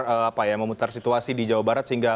apa ya memutar situasi di jawa barat sehingga